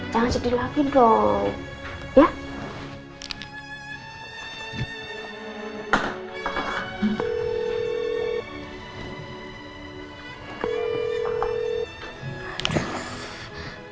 jangan sedih lagi dong